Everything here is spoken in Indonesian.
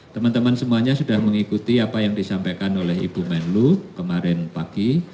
teman teman semuanya sudah mengikuti apa yang disampaikan oleh ibu menlu kemarin pagi